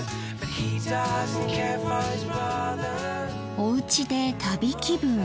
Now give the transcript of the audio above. おうちで旅気分。